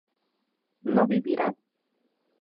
¿no vivirá?